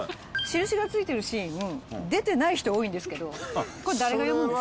印がついてるシーン出てない人多いんですけどこれ誰が読むんですか？